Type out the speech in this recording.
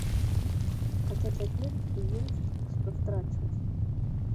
Хаця цяпер ёсць што страчваць.